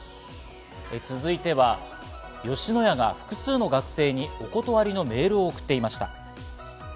続いては吉野家が複数の学生にお断りのメールを送っていました。